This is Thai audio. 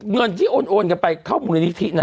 เงินที่โวยโอนกันไปเข้ามุนิธริปน่ะ